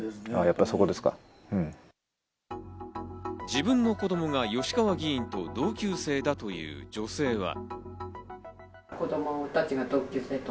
自分の子供が吉川議員と同級生だという女性は。